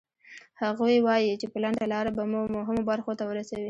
هغوی وایي چې په لنډه لاره به مو مهمو برخو ته ورسوي.